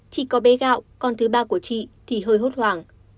chỉ có bé gạo con thứ ba của chị thì hơi hốt hoảng